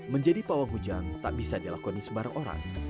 menjadi pawang hujan tak bisa dilakoni sebarang orang